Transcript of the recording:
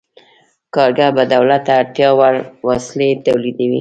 کارګر به دولت ته اړتیا وړ وسلې تولیدوي.